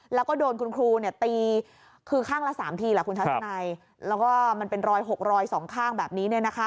แล้วก็โดนคุณครูตีคลังละ๓ทีแล้วก็เป็นรอยหกรอย๒ข้างแบบนี้